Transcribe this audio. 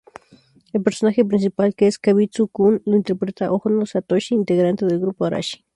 El personaje principal, que es Kaibutsu-kun, lo interpreta Ohno Satoshi, integrante del grupo Arashi.